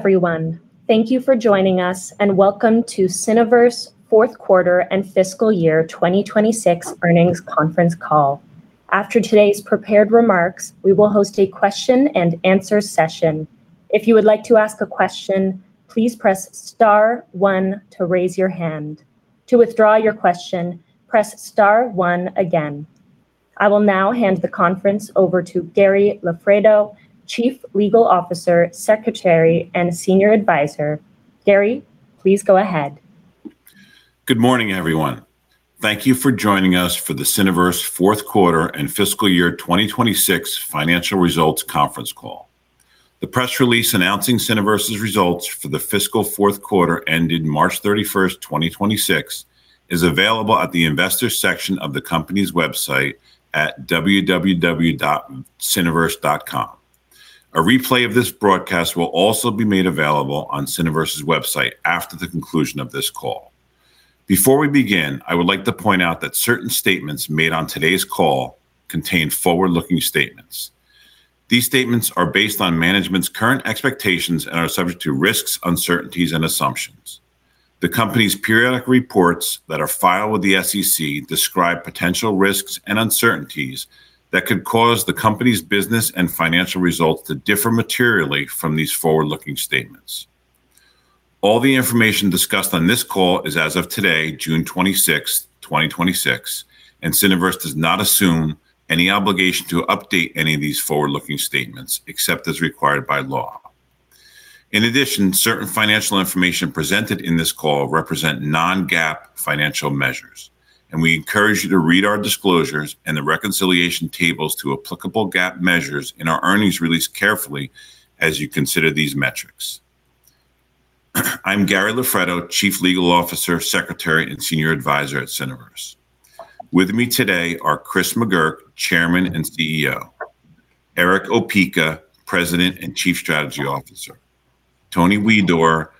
Everyone. Thank you for joining us, Welcome to Cineverse fourth quarter and fiscal year 2026 earnings conference call. After today's prepared remarks, we will host a question and answer session. If you would like to ask a question, please press star one to raise your hand. To withdraw your question, press star one again. I will now hand the conference over to Gary Loffredo, Chief Legal Officer, Secretary, and Senior Advisor. Gary, please go ahead. Good morning, everyone. Thank you for joining us for the Cineverse fourth quarter and fiscal year 2026 financial results conference call. The press release announcing Cineverse's results for the fiscal fourth quarter ended March 31st, 2026, is available at the investors section of the company's website at www.cineverse.com. A replay of this broadcast will also be made available on Cineverse's website after the conclusion of this call. Before we begin, I would like to point out that certain statements made on today's call contain forward-looking statements. These statements are based on management's current expectations and are subject to risks, uncertainties, and assumptions. The company's periodic reports that are filed with the SEC describe potential risks and uncertainties that could cause the company's business and financial results to differ materially from these forward-looking statements. All the information discussed on this call is as of today, June 26th, 2026, Cineverse does not assume any obligation to update any of these forward-looking statements, except as required by law. In addition, certain financial information presented in this call represent non-GAAP financial measures, We encourage you to read our disclosures and the reconciliation tables to applicable GAAP measures in our earnings release carefully as you consider these metrics. I'm Gary Loffredo, Chief Legal Officer, Secretary, and Senior Advisor at Cineverse. With me today are Chris McGurk, Chairman and CEO. Eric Opeka, President and Chief Strategy Officer. Tony Huidor,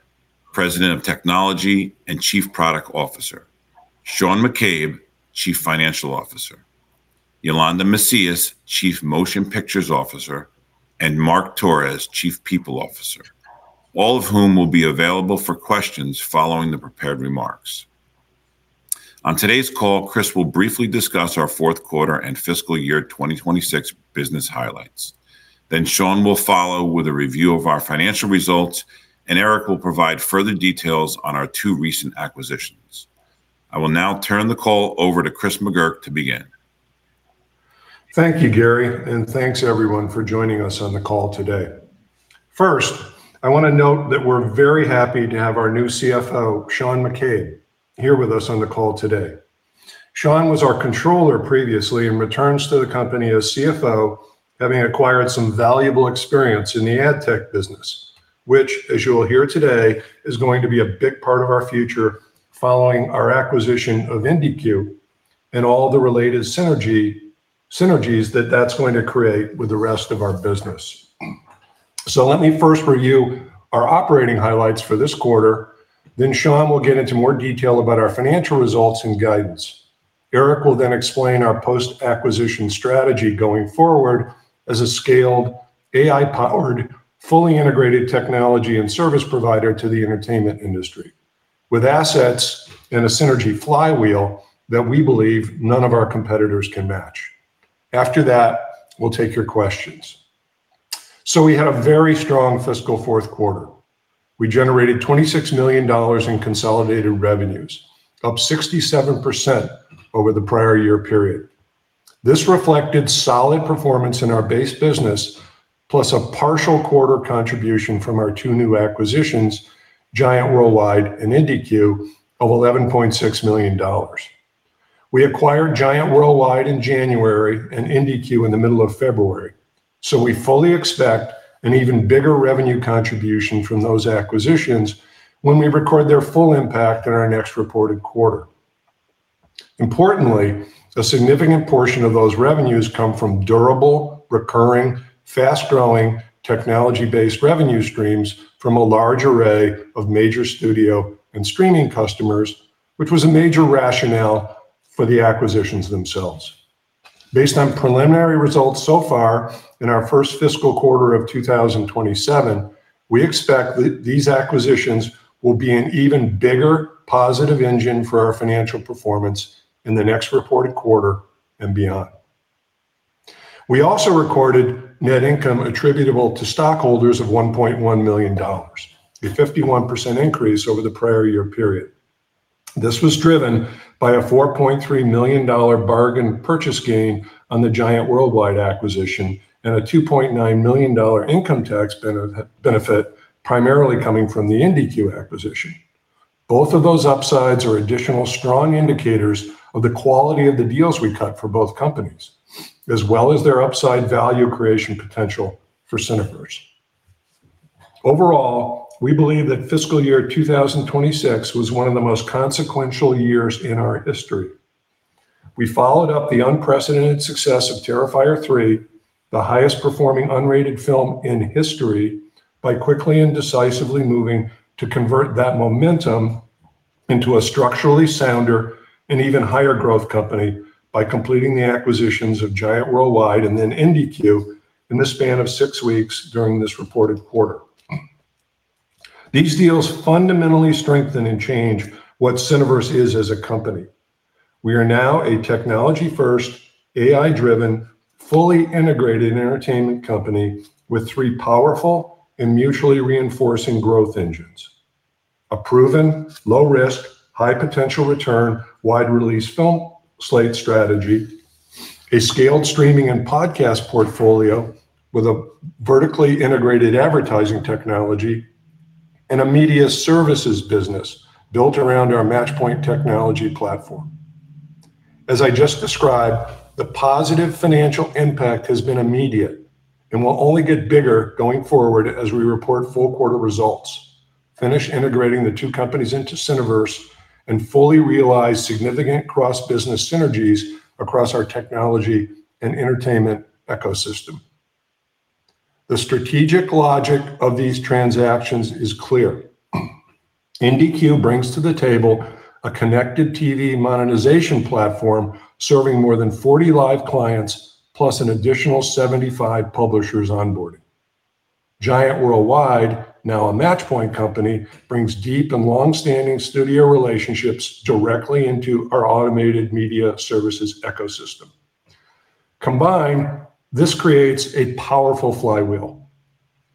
President of Technology and Chief Product Officer. Sean McCabe, Chief Financial Officer. Yolanda Macias, Chief Motion Pictures Officer, Mark Torres, Chief People Officer. All of whom will be available for questions following the prepared remarks. On today's call, Chris will briefly discuss our fourth quarter and fiscal year 2026 business highlights. Sean will follow with a review of our financial results, Eric will provide further details on our two recent acquisitions. I will now turn the call over to Chris McGurk to begin. Thank you, Gary, and thanks everyone for joining us on the call today. First, I want to note that we're very happy to have our new CFO, Sean McCabe, here with us on the call today. Sean was our controller previously and returns to the company as CFO, having acquired some valuable experience in the ad tech business, which as you'll hear today, is going to be a big part of our future following our acquisition of IndiCue and all the related synergies that that's going to create with the rest of our business. Let me first review our operating highlights for this quarter, then Sean will get into more detail about our financial results and guidance. Eric will then explain our post-acquisition strategy going forward as a scaled, AI-powered, fully integrated technology and service provider to the entertainment industry with assets and a synergy flywheel that we believe none of our competitors can match. After that, we'll take your questions. We had a very strong fiscal fourth quarter. We generated $26 million in consolidated revenues, up 67% over the prior year period. This reflected solid performance in our base business, plus a partial quarter contribution from our two new acquisitions, Giant Worldwide and IndiCue, of $11.6 million. We acquired Giant Worldwide in January and IndiCue in the middle of February, we fully expect an even bigger revenue contribution from those acquisitions when we record their full impact in our next reported quarter. Importantly, a significant portion of those revenues come from durable, recurring, fast-growing technology-based revenue streams from a large array of major studio and streaming customers, which was a major rationale for the acquisitions themselves. Based on preliminary results so far in our first fiscal quarter of 2027, we expect that these acquisitions will be an even bigger positive engine for our financial performance in the next reported quarter and beyond. We also recorded net income attributable to stockholders of $1.1 million, a 51% increase over the prior year period. This was driven by a $4.3 million bargain purchase gain on the Giant Worldwide acquisition and a $2.9 million income tax benefit primarily coming from the IndiCue acquisition. Both of those upsides are additional strong indicators of the quality of the deals we cut for both companies, as well as their upside value creation potential for Cineverse. Overall, we believe that fiscal year 2026 was one of the most consequential years in our history. We followed up the unprecedented success of Terrifier 3, the highest performing unrated film in history, by quickly and decisively moving to convert that momentum into a structurally sounder and even higher growth company by completing the acquisitions of Giant Worldwide and then IndiCue in the span of six weeks during this reported quarter. These deals fundamentally strengthen and change what Cineverse is as a company. We are now a technology-first, AI-driven, fully integrated entertainment company with three powerful and mutually reinforcing growth engines. A proven low risk, high potential return, wide release film slate strategy, a scaled streaming and podcast portfolio with a vertically integrated advertising technology, and a media services business built around our Matchpoint technology platform. As I just described, the positive financial impact has been immediate and will only get bigger going forward as we report full quarter results, finish integrating the two companies into Cineverse, and fully realize significant cross-business synergies across our technology and entertainment ecosystem. The strategic logic of these transactions is clear. IndiCue brings to the table a connected TV monetization platform serving more than 40 live clients, plus an additional 75 publishers onboarding. Giant Worldwide, now a Matchpoint company, brings deep and longstanding studio relationships directly into our automated media services ecosystem. Combined, this creates a powerful flywheel.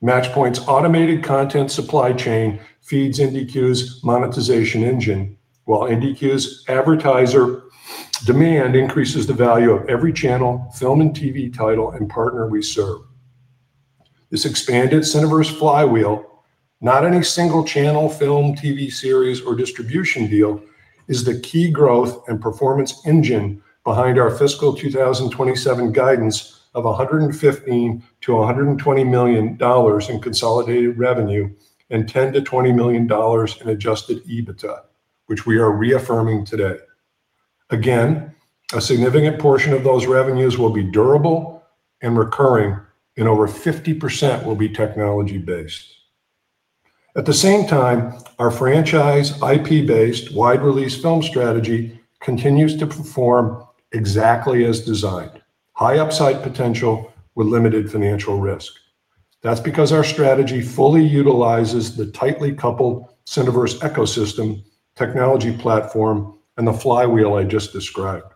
Matchpoint's automated content supply chain feeds IndiCue's monetization engine, while IndiCue's advertiser demand increases the value of every channel, film and TV title and partner we serve. This expanded Cineverse flywheel, not any single channel, film, TV series, or distribution deal, is the key growth and performance engine behind our fiscal 2027 guidance of $115 million-$120 million in consolidated revenue and $10 million-$20 million in adjusted EBITDA, which we are reaffirming today. A significant portion of those revenues will be durable and recurring, and over 50% will be technology-based. Our franchise IP-based wide release film strategy continues to perform exactly as designed. High upside potential with limited financial risk. That's because our strategy fully utilizes the tightly coupled Cineverse ecosystem technology platform and the flywheel I just described.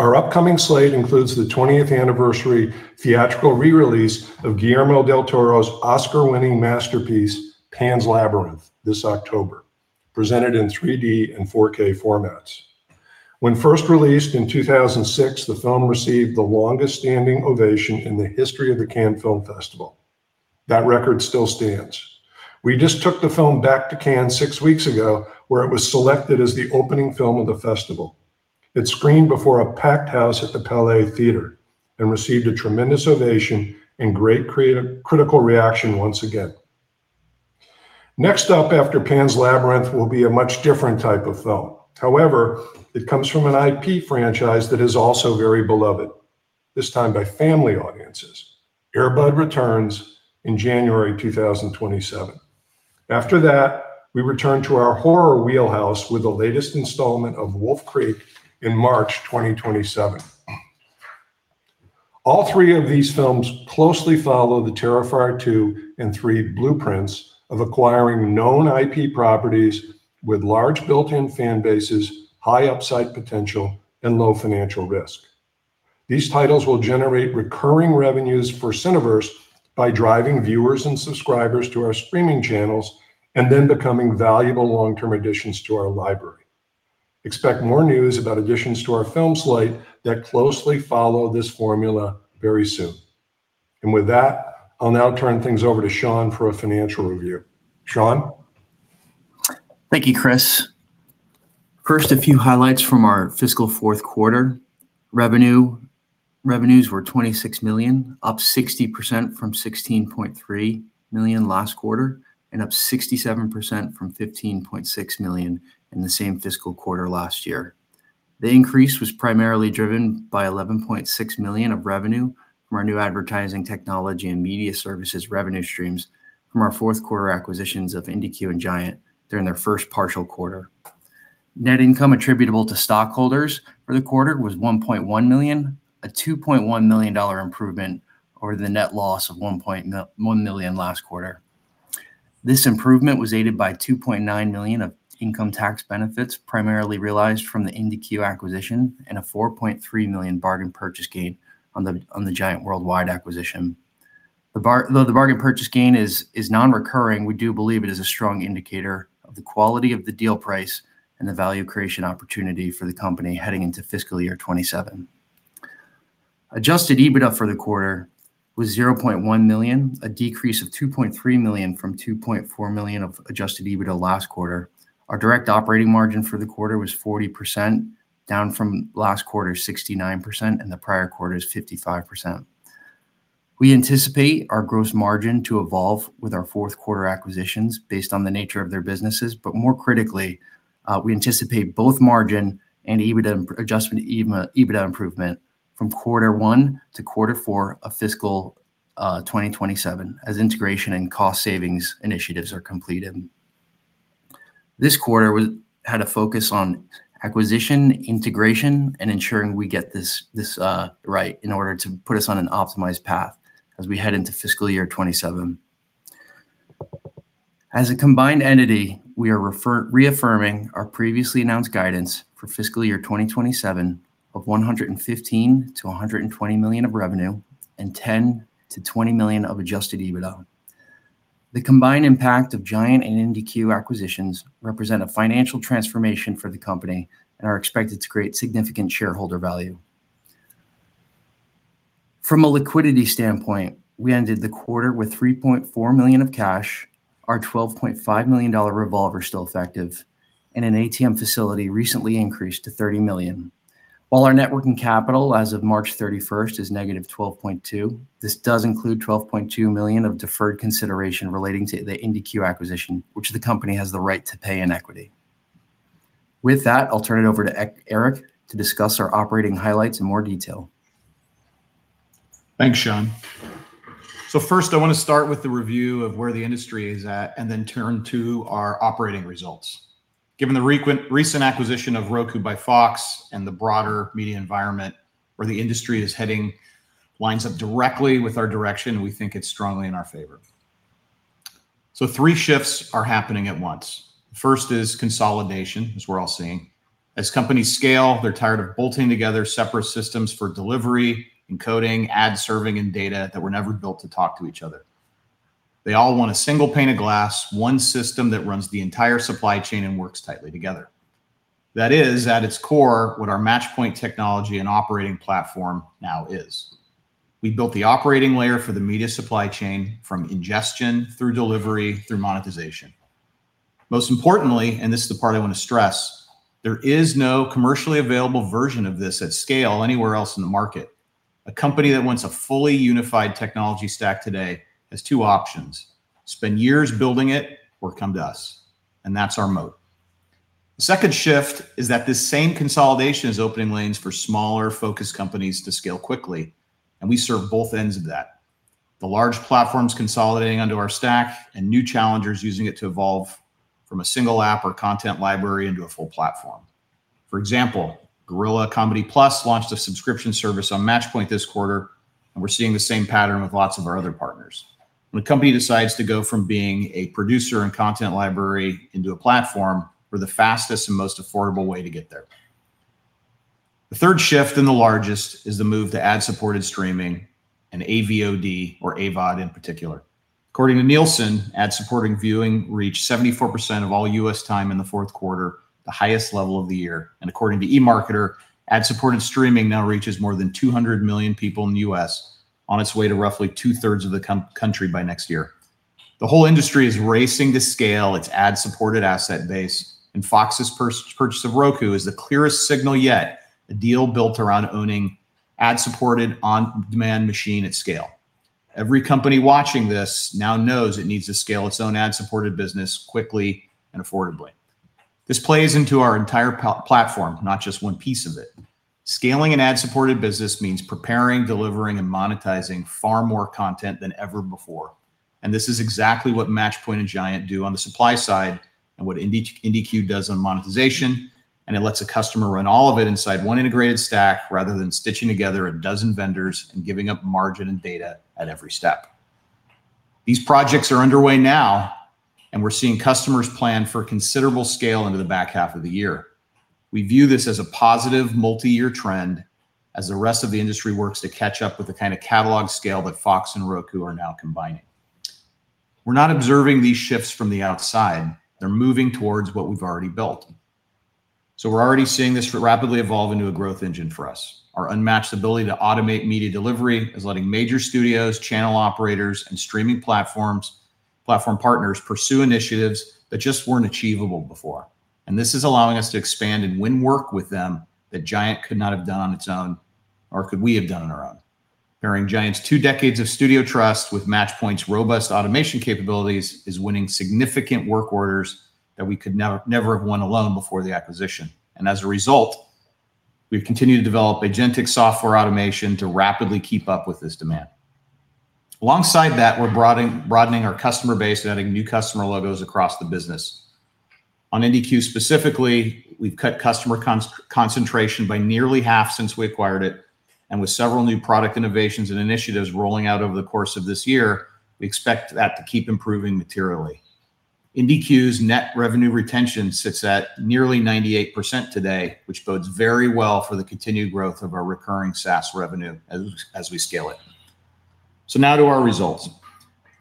Our upcoming slate includes the 20th anniversary theatrical re-release of Guillermo del Toro's Oscar-winning masterpiece, "Pan's Labyrinth" this October, presented in 3D and 4K formats. When first released in 2006, the film received the longest standing ovation in the history of the Cannes Film Festival. That record still stands. We just took the film back to Cannes six weeks ago, where it was selected as the opening film of the festival. It screened before a packed house at the Palais Theatre and received a tremendous ovation and great critical reaction once again. Next up after "Pan's Labyrinth" will be a much different type of film. It comes from an IP franchise that is also very beloved, this time by family audiences. "Air Bud Returns" in January 2027. We return to our horror wheelhouse with the latest installment of "Wolf Creek: Legacy" in March 2027. All three of these films closely follow the "Terrifier 2" and 3 blueprints of acquiring known IP properties with large built-in fan bases, high upside potential, and low financial risk. These titles will generate recurring revenues for Cineverse by driving viewers and subscribers to our streaming channels and then becoming valuable long-term additions to our library. Expect more news about additions to our film slate that closely follow this formula very soon. With that, I'll now turn things over to Sean for a financial review. Sean? Thank you, Chris. First, a few highlights from our fiscal fourth quarter. Revenues were $26 million, up 60% from $16.3 million last quarter, and up 67% from $15.6 million in the same fiscal quarter last year. The increase was primarily driven by $11.6 million of revenue from our new advertising technology and media services revenue streams from our fourth quarter acquisitions of IndiCue and Giant during their first partial quarter. Net income attributable to stockholders for the quarter was $1.1 million, a $2.1 million improvement over the net loss of $1.1 million last quarter. This improvement was aided by $2.9 million of income tax benefits, primarily realized from the IndiCue acquisition and a $4.3 million bargain purchase gain on the Giant Worldwide acquisition. Though the bargain purchase gain is non-recurring, we do believe it is a strong indicator of the quality of the deal price and the value creation opportunity for the company heading into fiscal year 2027. adjusted EBITDA for the quarter was $0.1 million, a decrease of $2.3 million from $2.4 million of adjusted EBITDA last quarter. Our direct operating margin for the quarter was 40%, down from last quarter's 69%, and the prior quarter's 55%. We anticipate our gross margin to evolve with our fourth quarter acquisitions based on the nature of their businesses, but more critically, we anticipate both margin and adjusted EBITDA improvement from quarter one to quarter four of fiscal 2027 as integration and cost savings initiatives are completed. This quarter, we had a focus on acquisition integration and ensuring we get this right in order to put us on an optimized path as we head into fiscal year 2027. As a combined entity, we are reaffirming our previously announced guidance for fiscal year 2027 of $115 million-$120 million of revenue and $10 million-$20 million of adjusted EBITDA. The combined impact of Giant and IndiCue acquisitions represent a financial transformation for the company and are expected to create significant shareholder value. From a liquidity standpoint, we ended the quarter with $3.4 million of cash, our $12.5 million revolver still effective, and an ATM facility recently increased to $30 million. While our net working capital as of March 31st is negative $12.2 million, this does include $12.2 million of deferred consideration relating to the IndiCue acquisition, which the company has the right to pay in equity. With that, I'll turn it over to Eric to discuss our operating highlights in more detail. Thanks, Sean. First, I want to start with the review of where the industry is at and then turn to our operating results. Given the recent acquisition of Roku by Fox and the broader media environment where the industry is heading lines up directly with our direction, we think it's strongly in our favor. Three shifts are happening at once. First is consolidation, as we're all seeing. As companies scale, they're tired of bolting together separate systems for delivery, encoding, ad serving, and data that were never built to talk to each other. They all want a single pane of glass, one system that runs the entire supply chain and works tightly together. That is, at its core, what our Matchpoint technology and operating platform now is. We built the operating layer for the media supply chain from ingestion through delivery through monetization. Most importantly, this is the part I want to stress, there is no commercially available version of this at scale anywhere else in the market. A company that wants a fully unified technology stack today has two options: spend years building it or come to us, and that's our moat. The second shift is that this same consolidation is opening lanes for smaller focused companies to scale quickly, and we serve both ends of that. The large platforms consolidating onto our stack and new challengers using it to evolve from a single app or content library into a full platform. For example, Gorilla Comedy+ launched a subscription service on Matchpoint this quarter, and we're seeing the same pattern with lots of our other partners. When a company decides to go from being a producer and content library into a platform, we're the fastest and most affordable way to get there. The third shift and the largest is the move to ad-supported streaming and AVOD, or AVOD in particular. According to Nielsen, ad-supported viewing reached 74% of all U.S. time in the fourth quarter, the highest level of the year. According to eMarketer, ad-supported streaming now reaches more than 200 million people in the U.S., on its way to roughly two-thirds of the country by next year. The whole industry is racing to scale its ad-supported asset base, and Fox's purchase of Roku is the clearest signal yet, a deal built around owning ad-supported on-demand machine at scale. Every company watching this now knows it needs to scale its own ad-supported business quickly and affordably. This plays into our entire platform, not just one piece of it. Scaling an ad-supported business means preparing, delivering, and monetizing far more content than ever before. This is exactly what Matchpoint and Giant do on the supply side, and what IndiCue does on monetization, and it lets a customer run all of it inside one integrated stack, rather than stitching together a dozen vendors and giving up margin and data at every step. These projects are underway now, and we're seeing customers plan for considerable scale into the back half of the year. We view this as a positive multi-year trend as the rest of the industry works to catch up with the kind of catalog scale that Fox and Roku are now combining. We're not observing these shifts from the outside. They're moving towards what we've already built. We're already seeing this rapidly evolve into a growth engine for us. Our unmatched ability to automate media delivery is letting major studios, channel operators, and streaming platform partners pursue initiatives that just weren't achievable before. This is allowing us to expand and win work with them that Giant could not have done on its own or could we have done on our own. Pairing Giant's two decades of studio trust with Matchpoint's robust automation capabilities is winning significant work orders that we could never have won alone before the acquisition. As a result, we've continued to develop agentic software automation to rapidly keep up with this demand. Alongside that, we're broadening our customer base and adding new customer logos across the business. On IndiCue specifically, we've cut customer concentration by nearly half since we acquired it, with several new product innovations and initiatives rolling out over the course of this year, we expect that to keep improving materially. IndiCue's net revenue retention sits at nearly 98% today, which bodes very well for the continued growth of our recurring SaaS revenue as we scale it. Now to our results.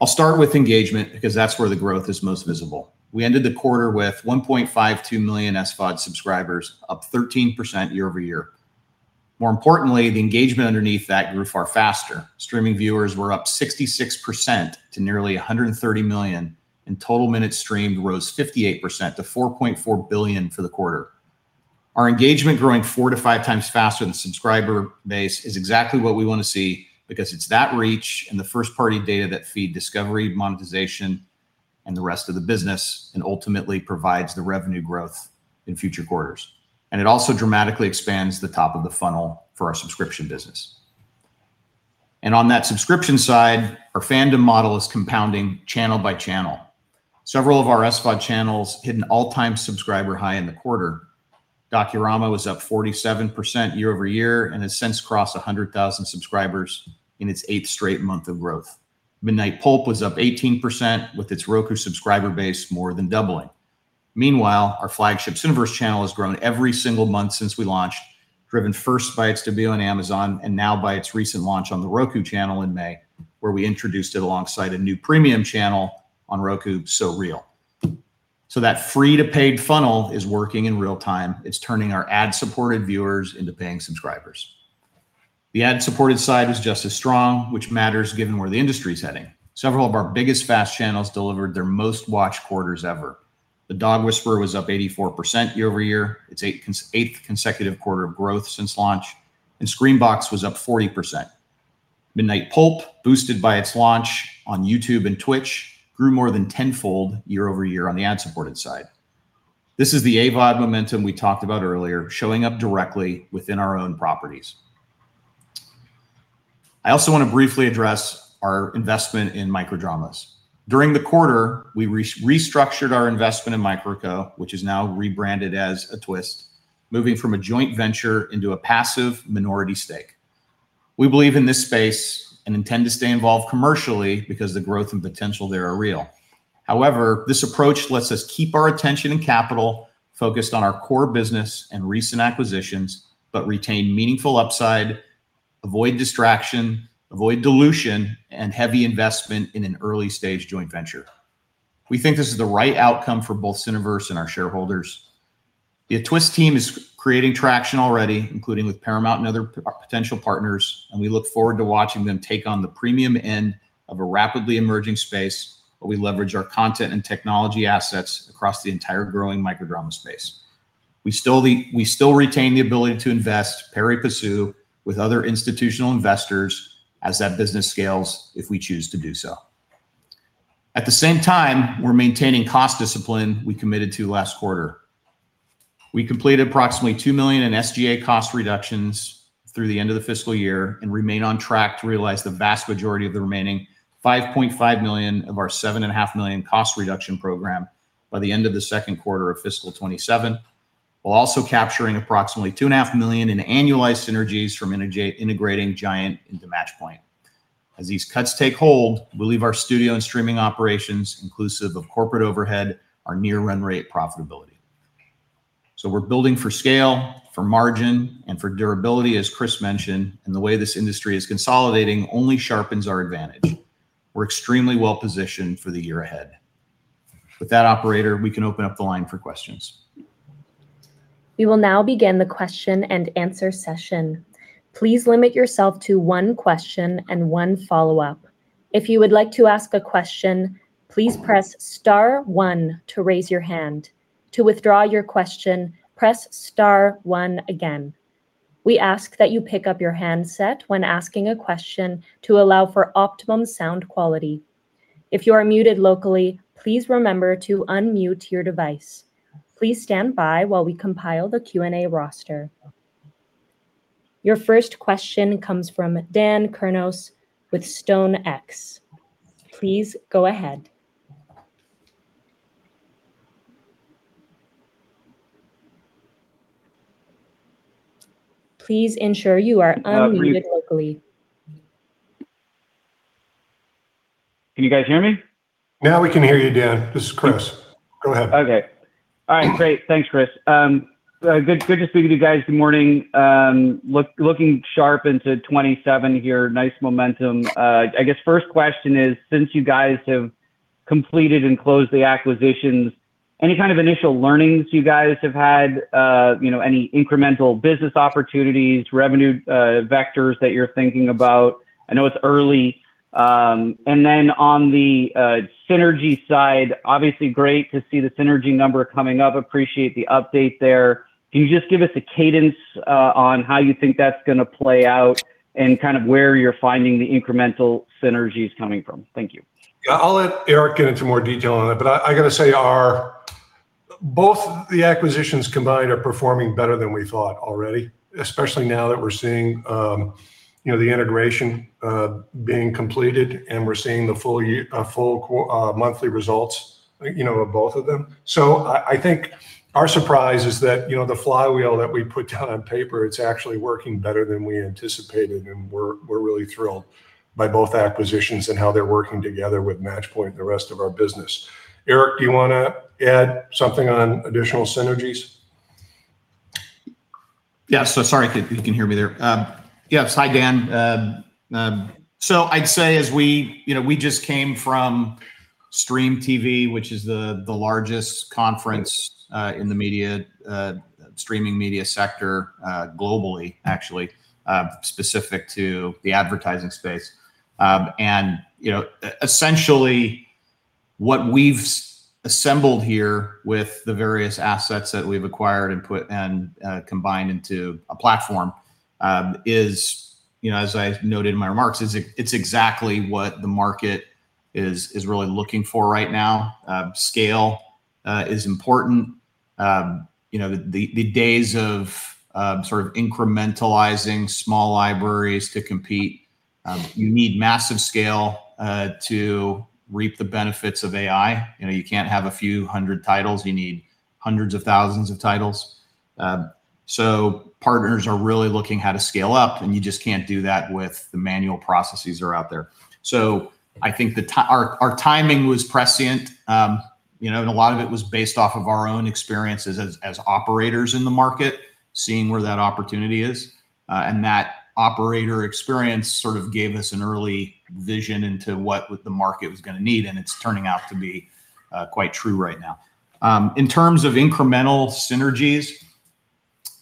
I'll start with engagement because that's where the growth is most visible. We ended the quarter with 1.52 million SVOD subscribers, up 13% year-over-year. More importantly, the engagement underneath that grew far faster. Streaming viewers were up 66% to nearly 130 million, and total minutes streamed rose 58% to 4.4 billion for the quarter. Our engagement growing four to five times faster than subscriber base is exactly what we want to see, because it's that reach and the first-party data that feed discovery, monetization, and the rest of the business, and ultimately provides the revenue growth in future quarters. It also dramatically expands the top of the funnel for our subscription business. On that subscription side, our fandom model is compounding channel by channel. Several of our SVOD channels hit an all-time subscriber high in the quarter. Docurama was up 47% year-over-year and has since crossed 100,000 subscribers in its eighth straight month of growth. Midnight Pulp was up 18%, with its Roku subscriber base more than doubling. Meanwhile, our flagship Cineverse channel has grown every single month since we launched, driven first by its debut on Amazon, and now by its recent launch on The Roku Channel in May, where we introduced it alongside a new premium channel on Roku, So… Real. That free-to-paid funnel is working in real time. It's turning our ad-supported viewers into paying subscribers. The ad-supported side was just as strong, which matters given where the industry is heading. Several of our biggest FAST channels delivered their most watched quarters ever. The Dog Whisperer was up 84% year-over-year, its eighth consecutive quarter of growth since launch, and Screambox was up 40%. Midnight Pulp, boosted by its launch on YouTube and Twitch, grew more than tenfold year-over-year on the ad-supported side. This is the AVOD momentum we talked about earlier, showing up directly within our own properties. I also want to briefly address our investment in micro dramas. During the quarter, we restructured our investment in MicroCo, which is now rebranded as A Twist, moving from a joint venture into a passive minority stake. We believe in this space and intend to stay involved commercially because the growth and potential there are real. However, this approach lets us keep our attention and capital focused on our core business and recent acquisitions, but retain meaningful upside, avoid distraction, avoid dilution, and heavy investment in an early-stage joint venture. We think this is the right outcome for both Cineverse and our shareholders. The A Twist team is creating traction already, including with Paramount and other potential partners, and we look forward to watching them take on the premium end of a rapidly emerging space, where we leverage our content and technology assets across the entire growing micro drama space. We still retain the ability to invest pari passu with other institutional investors as that business scales, if we choose to do so. At the same time, we're maintaining cost discipline we committed to last quarter. We completed approximately $2 million in SG&A cost reductions through the end of the fiscal year and remain on track to realize the vast majority of the remaining $5.5 million of our $7.5 million cost reduction program by the end of the second quarter of fiscal 2027, while also capturing approximately $2.5 million in annualized synergies from integrating Giant into Matchpoint. As these cuts take hold, we believe our studio and streaming operations, inclusive of corporate overhead, are near run rate profitability. We're building for scale, for margin, and for durability, as Chris mentioned, and the way this industry is consolidating only sharpens our advantage. We're extremely well-positioned for the year ahead. With that, operator, we can open up the line for questions. We will now begin the question and answer session. Please limit yourself to one question and one follow-up. If you would like to ask a question, please press star one to raise your hand. To withdraw your question, press star one again. We ask that you pick up your handset when asking a question to allow for optimum sound quality. If you are muted locally, please remember to unmute your device. Please stand by while we compile the Q&A roster. Your first question comes from Dan Kurnos with StoneX. Please go ahead. Please ensure you are unmuted locally. Can you guys hear me? Now we can hear you, Dan. This is Chris. Go ahead. Okay. All right, great. Thanks, Chris. Good to speak with you guys. Good morning. Looking sharp into 2027 here. Nice momentum. I guess first question is, since you guys have completed and closed the acquisitions, any kind of initial learnings you guys have had? Any incremental business opportunities, revenue vectors that you're thinking about? I know it's early. On the synergy side, obviously great to see the synergy number coming up. Appreciate the update there. Can you just give us a cadence on how you think that's going to play out and where you're finding the incremental synergies coming from? Thank you. Yeah, I'll let Eric get into more detail on that, but I got to say, both the acquisitions combined are performing better than we thought already, especially now that we're seeing the integration being completed and we're seeing the full monthly results of both of them. I think our surprise is that the flywheel that we put down on paper, it's actually working better than we anticipated, and we're really thrilled by both acquisitions and how they're working together with Matchpoint and the rest of our business. Eric, do you want to add something on additional synergies? Yeah. Sorry if you can hear me there. Yes. Hi, Dan. I'd say, as we just came from StreamTV Show, which is the largest conference in the streaming media sector globally, actually, specific to the advertising space. Essentially, what we've assembled here with the various assets that we've acquired and combined into a platform is, as I noted in my remarks, it's exactly what the market is really looking for right now. Scale is important. The days of sort of incrementalizing small libraries to compete, you need massive scale to reap the benefits of AI. You can't have a few hundred titles. You need hundreds of thousands of titles. Partners are really looking how to scale up, and you just can't do that with the manual processes that are out there. I think our timing was prescient, and a lot of it was based off of our own experiences as operators in the market, seeing where that opportunity is. That operator experience sort of gave us an early vision into what the market was going to need, and it's turning out to be quite true right now. In terms of incremental synergies,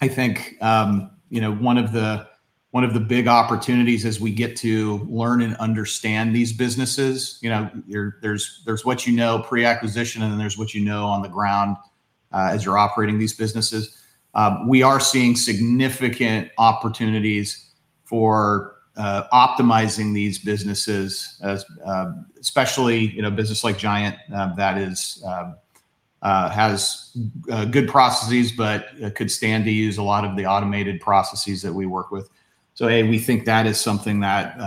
I think one of the big opportunities as we get to learn and understand these businesses, there's what you know pre-acquisition, and then there's what you know on the ground as you're operating these businesses. We are seeing significant opportunities for optimizing these businesses, especially business like Giant that has good processes, but could stand to use a lot of the automated processes that we work with. A, we think that is something that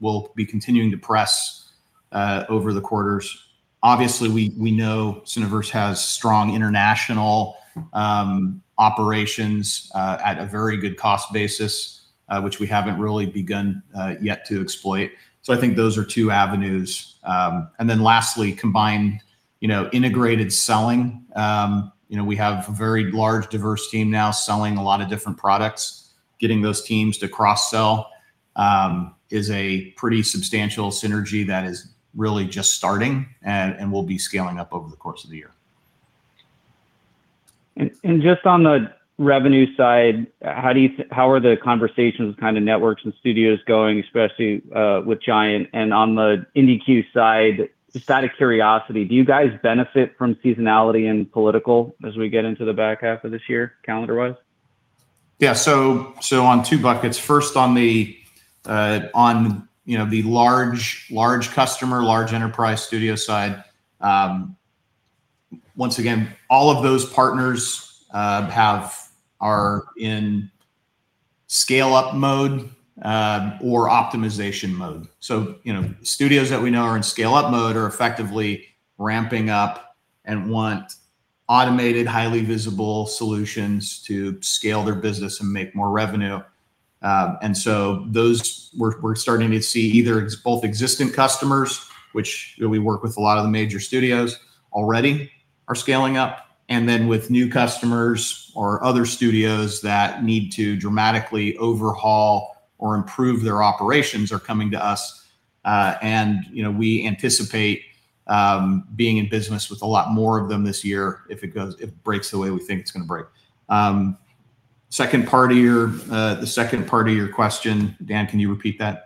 we'll be continuing to press over the quarters. Obviously, we know Cineverse has strong international operations at a very good cost basis, which we haven't really begun yet to exploit. I think those are two avenues. Lastly, combined integrated selling. We have a very large diverse team now selling a lot of different products. Getting those teams to cross-sell is a pretty substantial synergy that is really just starting and will be scaling up over the course of the year. Just on the revenue side, how are the conversations kind of networks and studios going, especially with Giant? On the IndiCue side, just out of curiosity, do you guys benefit from seasonality and political as we get into the back half of this year calendar-wise? Yeah. On two buckets. First on the large customer, large enterprise studio side. Once again, all of those partners are in scale-up mode or optimization mode. Studios that we know are in scale-up mode are effectively ramping up and want automated, highly visible solutions to scale their business and make more revenue. Those, we're starting to see either both existing customers, which we work with a lot of the major studios already are scaling up, and then with new customers or other studios that need to dramatically overhaul or improve their operations are coming to us. We anticipate being in business with a lot more of them this year, if it breaks the way we think it's going to break. The second part of your question, Dan, can you repeat that?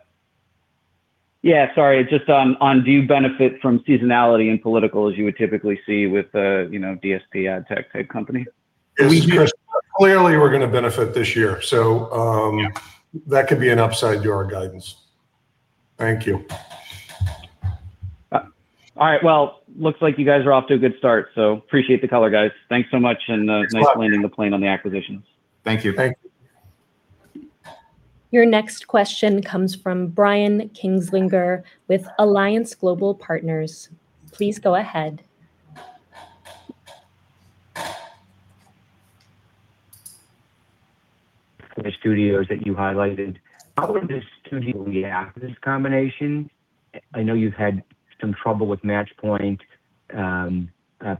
Yeah, sorry. Just on do you benefit from seasonality and political as you would typically see with a DSP ad tech type company? We- Clearly, we're going to benefit this year. Yeah That could be an upside to our guidance. Thank you. All right. Well, looks like you guys are off to a good start, appreciate the color, guys. Thanks so much- Sure Nice landing the plane on the acquisitions. Thank you. Thank you. Your next question comes from Brian Kinstlinger with Alliance Global Partners. Please go ahead. The studios that you highlighted, how are the studios reacting to this combination? I know you've had some trouble with Matchpoint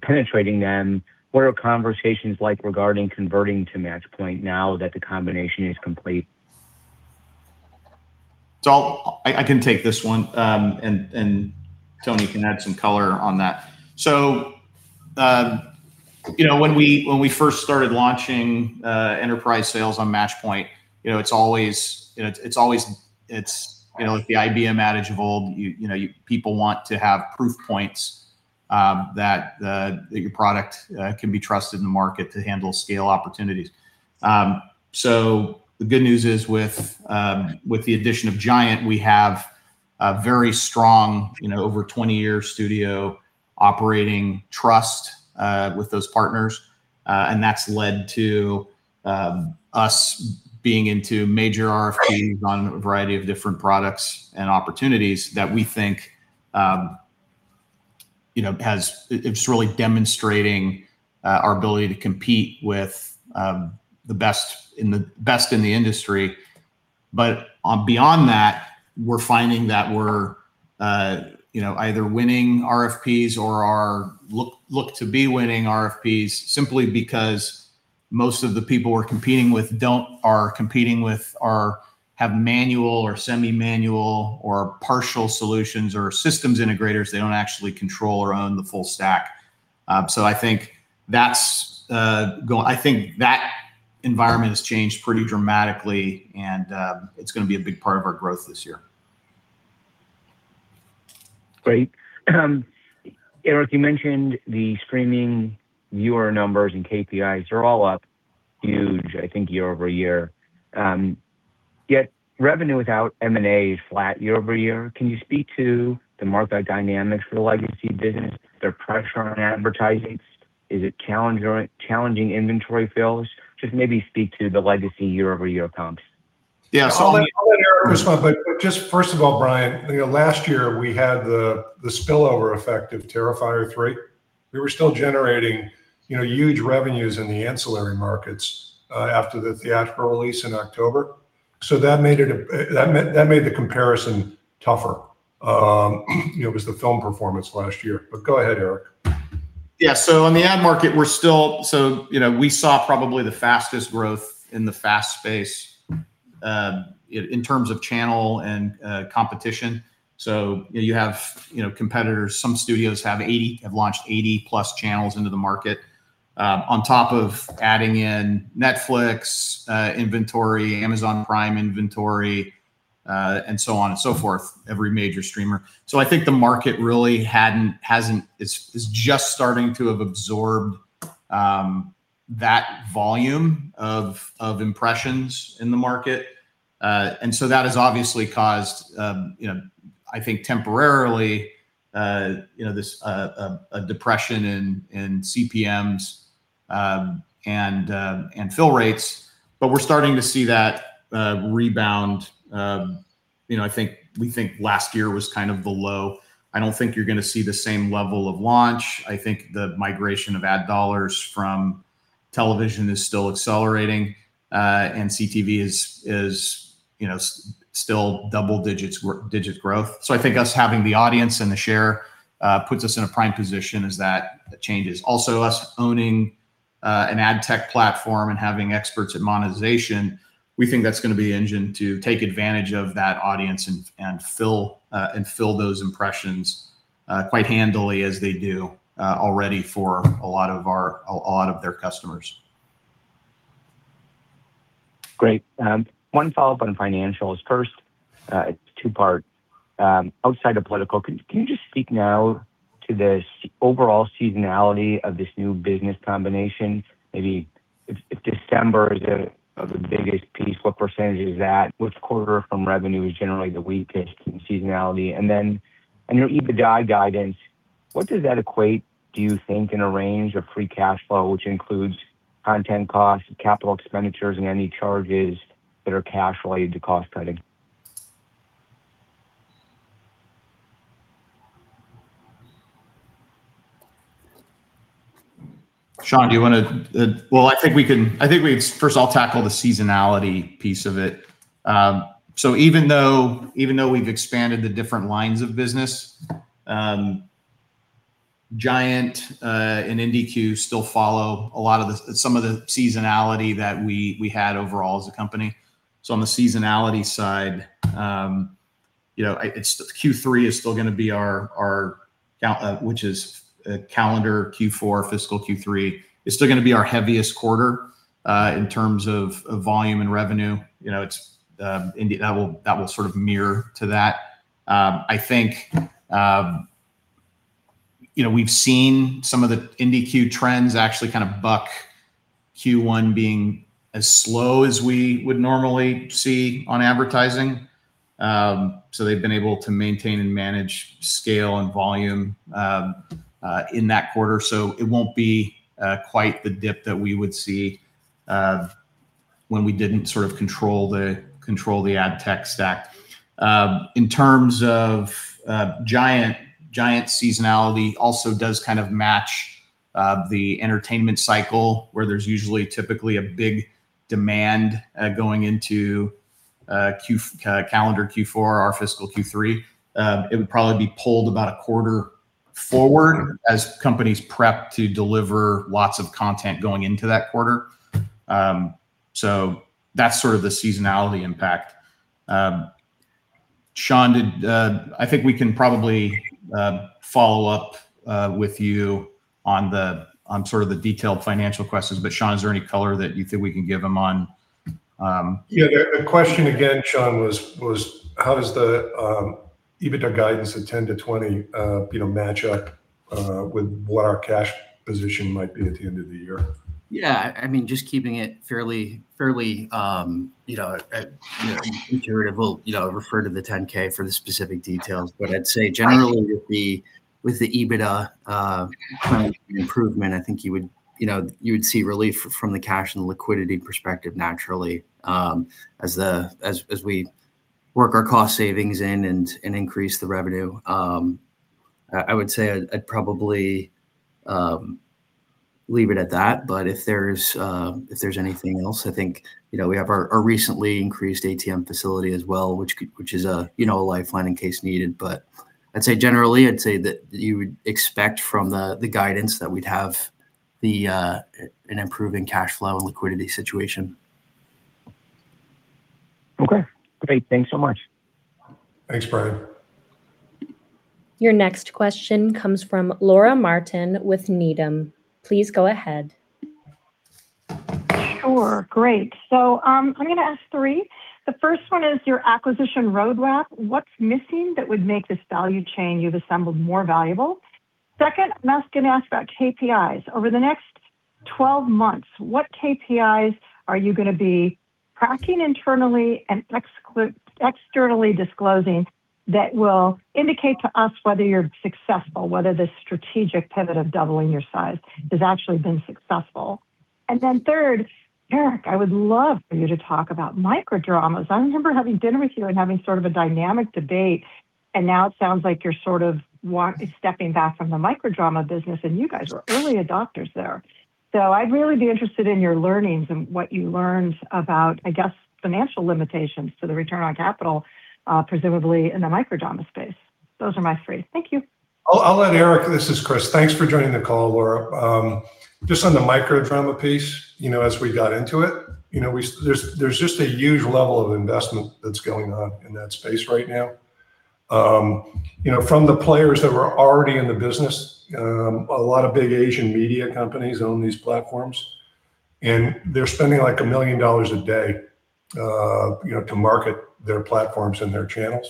penetrating them. What are conversations like regarding converting to Matchpoint now that the combination is complete? I can take this one, and Tony can add some color on that. When we first started launching enterprise sales on Matchpoint, it's the IBM Manageable. People want to have proof points that your product can be trusted in the market to handle scale opportunities. The good news is with the addition of Giant, we have a very strong over 20-year studio operating trust with those partners. That's led to us being into major RFPs on a variety of different products and opportunities that we think it's really demonstrating our ability to compete with the best in the industry. Beyond that, we're finding that we're either winning RFPs or look to be winning RFPs simply because most of the people we're competing with have manual or semi-manual or partial solutions or systems integrators. They don't actually control or own the full stack. I think that environment has changed pretty dramatically, and it's going to be a big part of our growth this year. Great. Eric, you mentioned the streaming viewer numbers and KPIs are all up huge, I think year-over-year. Yet revenue without M&A is flat year-over-year. Can you speak to the market dynamics for the legacy business? Is there pressure on advertising? Is it challenging inventory fills? Just maybe speak to the legacy year-over-year comps. Yeah. I'll let Eric respond, but just first of all, Brian, last year we had the spillover effect of Terrifier 3. We were still generating huge revenues in the ancillary markets after the theatrical release in October. That made the comparison tougher. It was the film performance last year. Go ahead, Eric. Yeah. In the ad market we saw probably the fastest growth in the FAST space in terms of channel and competition. You have competitors. Some studios have launched 80+ channels into the market, on top of adding in Netflix inventory, Amazon Prime inventory, and so on and so forth, every major streamer. I think the market really is just starting to have absorbed that volume of impressions in the market. That has obviously caused, I think temporarily, a depression in CPMs and fill rates. We're starting to see that rebound. We think last year was kind of the low. I don't think you're going to see the same level of launch. I think the migration of ad dollars from television is still accelerating. CTV is still double-digit growth. I think us having the audience and the share puts us in a prime position as that changes. Also, us owning an ad tech platform and having experts at monetization, we think that's going to be an engine to take advantage of that audience and fill those impressions quite handily as they do already for a lot of their customers. Great. One follow-up on financials. First, it's two-part. Outside of political, can you just speak now to the overall seasonality of this new business combination? Maybe if December is the biggest piece, what % is that? Which quarter from revenue is generally the weakest in seasonality? On your EBITDA guidance, what does that equate, do you think, in a range of free cash flow, which includes content costs, capital expenditures, and any charges that are cash related to cost cutting? Sean, do you want to Well, I think we first all tackle the seasonality piece of it. Even though we've expanded the different lines of business, Giant and IndiCue still follow some of the seasonality that we had overall as a company. On the seasonality side, Q3, which is calendar Q4, fiscal Q3, is still going to be our heaviest quarter in terms of volume and revenue. IndiCue, that will sort of mirror to that. I think we've seen some of the IndiCue trends actually kind of buck Q1 being as slow as we would normally see on advertising. They've been able to maintain and manage scale and volume in that quarter. It won't be quite the dip that we would see when we didn't sort of control the ad tech stack. In terms of Giant seasonality also does kind of match the entertainment cycle, where there's usually typically a big demand going into calendar Q4 or fiscal Q3. It would probably be pulled about a quarter forward as companies prep to deliver lots of content going into that quarter. That's sort of the seasonality impact. Sean, I think we can probably follow up with you on sort of the detailed financial questions. Sean, is there any color that you think we can give them on- Yeah. The question again, Sean, was how does the EBITDA guidance of $10-$20 match up with what our cash position might be at the end of the year? Yeah. Just keeping it fairly iterative. Refer to the 10-K for the specific details. I'd say generally with the EBITDA improvement, I think you would see relief from the cash and liquidity perspective naturally as we work our cost savings in and increase the revenue. I would say I'd probably leave it at that. If there's anything else, I think we have our recently increased ATM facility as well, which is a lifeline in case needed. I'd say generally, I'd say that you would expect from the guidance that we'd have an improving cash flow and liquidity situation. Okay, great. Thanks so much. Thanks, Brian. Your next question comes from Laura Martin with Needham. Please go ahead. Sure. Great, I'm going to ask three. The first one is your acquisition roadmap. What's missing that would make this value chain you've assembled more valuable? Second, I'm going to ask about KPIs. Over the next 12 months, what KPIs are you going to be tracking internally and externally disclosing that will indicate to us whether you're successful, whether the strategic pivot of doubling your size has actually been successful? Third, Eric, I would love for you to talk about microdramas. I remember having dinner with you and having sort of a dynamic debate, and now it sounds like you're sort of stepping back from the microdrama business, and you guys were early adopters there. I'd really be interested in your learnings and what you learned about, I guess, financial limitations to the return on capital, presumably in the microdrama space. Those are my three. Thank you. I'll let Eric. This is Chris. Thanks for joining the call, Laura. Just on the microdrama piece, as we got into it, there's just a huge level of investment that's going on in that space right now. From the players that were already in the business, a lot of big Asian media companies own these platforms, and they're spending, like, $1 million a day to market their platforms and their channels.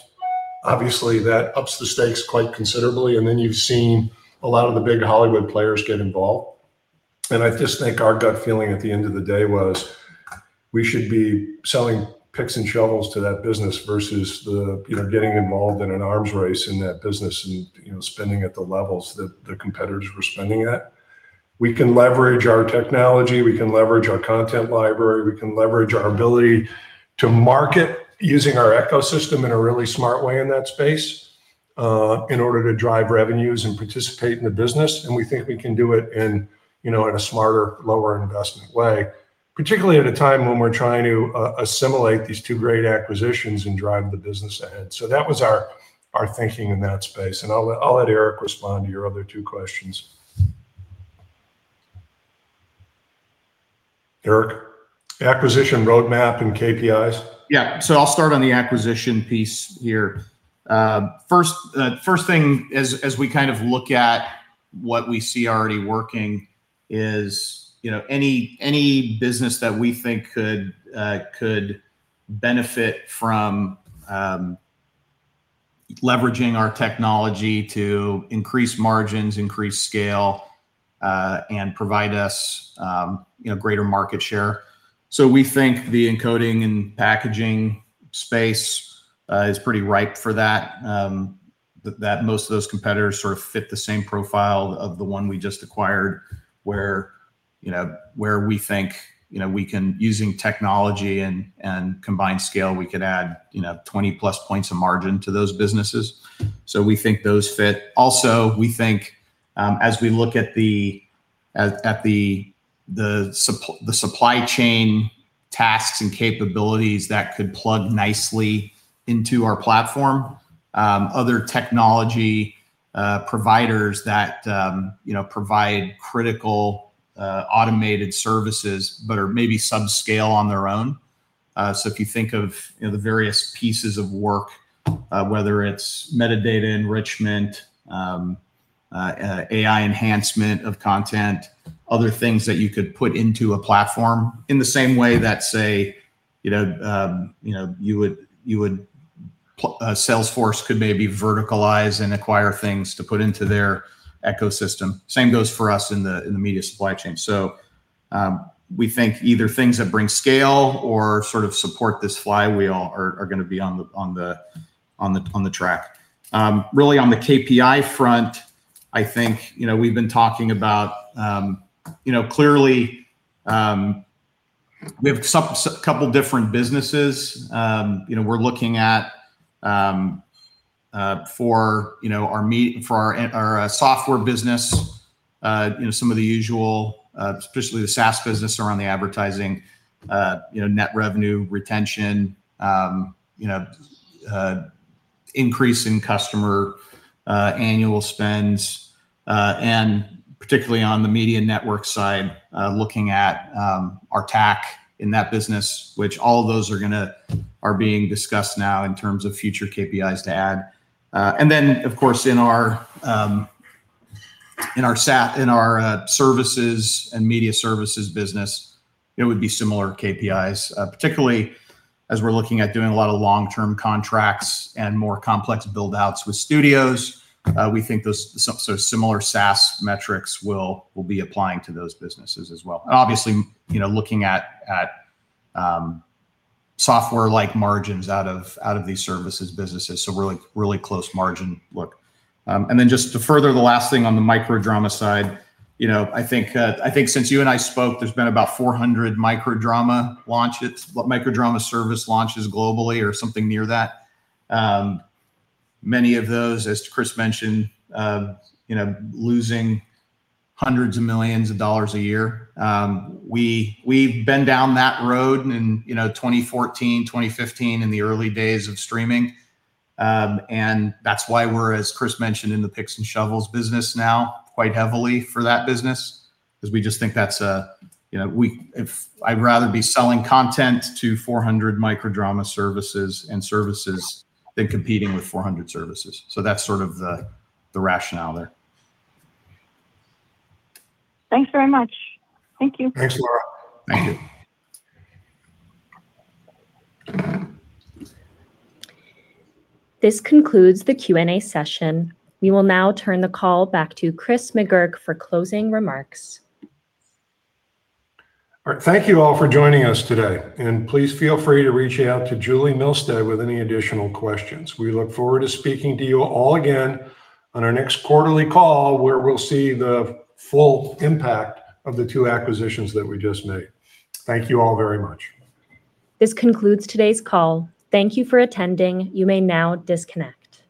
Obviously, that ups the stakes quite considerably. You've seen a lot of the big Hollywood players get involved. I just think our gut feeling at the end of the day was we should be selling picks and shovels to that business versus getting involved in an arms race in that business and spending at the levels that the competitors were spending at. We can leverage our technology. We can leverage our content library. We can leverage our ability to market using our ecosystem in a really smart way in that space in order to drive revenues and participate in the business. We think we can do it in a smarter, lower investment way, particularly at a time when we're trying to assimilate these two great acquisitions and drive the business ahead. That was our thinking in that space. I'll let Eric respond to your other two questions. Eric, acquisition roadmap and KPIs? I'll start on the acquisition piece here. First thing is, as we look at what we see already working is, any business that we think could benefit from leveraging our technology to increase margins, increase scale, and provide us greater market share. We think the encoding and packaging space is pretty ripe for that most of those competitors sort of fit the same profile of the one we just acquired, where we think using technology and combined scale, we could add 20-plus points of margin to those businesses. We think those fit. Also, we think as we look at the supply chain tasks and capabilities that could plug nicely into our platform, other technology providers that provide critical automated services, but are maybe subscale on their own. If you think of the various pieces of work, whether it's metadata enrichment, AI enhancement of content, other things that you could put into a platform in the same way that, say, Salesforce could maybe verticalize and acquire things to put into their ecosystem. Same goes for us in the media supply chain. We think either things that bring scale or sort of support this flywheel are going to be on the track. Really on the KPI front, I think we've been talking about, clearly, we have a couple different businesses. We're looking at for our software business, some of the usual, especially the SaaS business around the advertising, net revenue retention, increase in customer annual spends, and particularly on the media network side, looking at our TAC in that business, which all of those are being discussed now in terms of future KPIs to add. Of course, in our services and media services business, it would be similar KPIs. Particularly as we're looking at doing a lot of long-term contracts and more complex build-outs with studios, we think those sort of similar SaaS metrics will be applying to those businesses as well. Obviously, looking at software-like margins out of these services businesses, so really close margin look. Just to further the last thing on the microdrama side, I think since you and I spoke, there's been about 400 microdrama service launches globally or something near that. Many of those, as Chris mentioned, losing hundreds of millions of dollars a year. We've been down that road in 2014, 2015, in the early days of streaming. That's why we're, as Chris mentioned, in the picks and shovels business now quite heavily for that business, because I'd rather be selling content to 400 microdrama services and services than competing with 400 services. That's sort of the rationale there. Thanks very much. Thank you. Thanks, Laura. Thank you. This concludes the Q&A session. We will now turn the call back to Chris McGurk for closing remarks. All right. Thank you all for joining us today. Please feel free to reach out to Julie Milstead with any additional questions. We look forward to speaking to you all again on our next quarterly call, where we'll see the full impact of the two acquisitions that we just made. Thank you all very much. This concludes today's call. Thank you for attending. You may now disconnect.